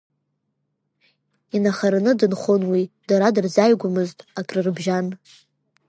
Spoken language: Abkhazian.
Инахараны дынхон уи, дара дырзааигәамызт, акры бжьан.